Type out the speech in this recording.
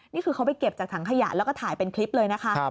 นี่คือเขาไปเก็บจากถังขยะแล้วก็ถ่ายเป็นคลิปเลยนะคะ